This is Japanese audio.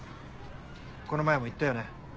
この前も言ったよね。